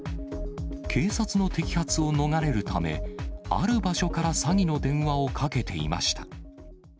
警察の摘発を逃れるため、ある場所から詐欺の電話をかけていました。